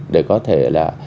để có thể là